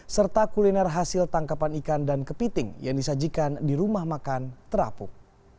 serta kuliner hasil tangkapan ikan dan kepiting yang disajikan di rumah makan terapung